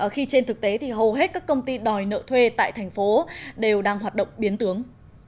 khi trên thực tế thì hầu hết các công ty đòi nợ thuê tại thành phố đều đang hoạt động biến tướng